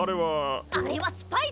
あれはスパイだ！